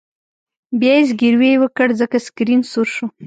بیا یې زګیروی وکړ ځکه سکرین سور شو